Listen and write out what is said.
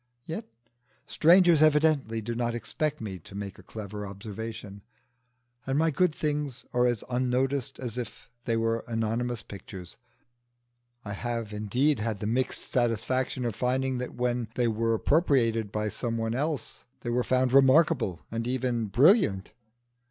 Yet strangers evidently do not expect me to make a clever observation, and my good things are as unnoticed as if they were anonymous pictures. I have indeed had the mixed satisfaction of finding that when they were appropriated by some one else they were found remarkable and even brilliant.